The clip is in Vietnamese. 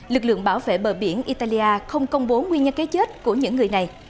lực lượng bảo vệ bờ biển italia không công bố nguyên nhân cái chết của những người này